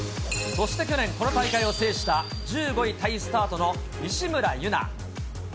そして去年、この大会を制した１５位タイスタートの西村優菜。